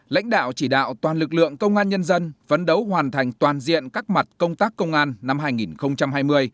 lãnh đạo chỉ đạo toàn lực lượng công an nhân dân phấn đấu hoàn thành toàn diện các mặt công tác công an năm hai nghìn hai mươi